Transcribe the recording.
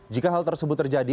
jika hal tersebut terjadi